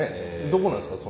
どこなんですか？